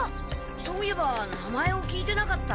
そういえば名前を聞いてなかった！